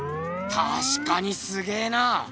たしかにすげえな！